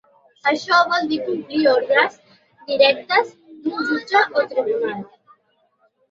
Això vol dir complir ordres directes d’un jutge o tribunal.